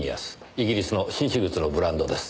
イギリスの紳士靴のブランドです。